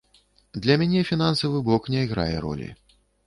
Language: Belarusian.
Для мяне фінансавы бок не іграе ролі.